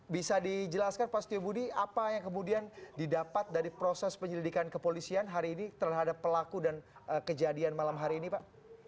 bisa dijelaskan pak setio budi apa yang kemudian didapat dari proses penyelidikan kepolisian hari ini terhadap pelaku dan kejadian malam hari ini pak